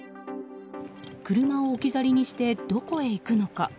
車を置き去りにしてどこへ行くのか。